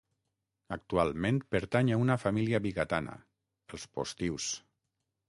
Actualment pertany a una família vigatana, els Postius.